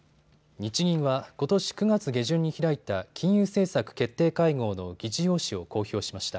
日銀はことし９月下旬に開いた金融政策決定会合の議事要旨を公表しました。